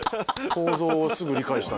構造をすぐ理解した。